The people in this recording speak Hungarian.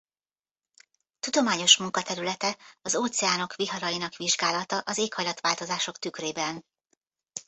Tudományos munkaterülete az óceánok viharainak vizsgálata az éghajlatváltozások tükrében.